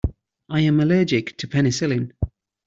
I am allergic to penicillin.